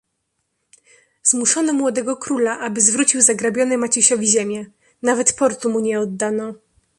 "Zmuszono młodego króla, aby zwrócił zagrabione Maciusiowi ziemie; nawet portu mu nie oddano."